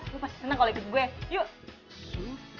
lo pasti seneng kalau ikut gue yuk